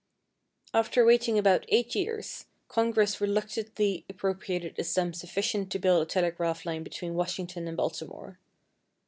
After waiting about eight years, Congress reluctantly appropriated a sum sufficient to build a telegraph line between Washington and Baltimore.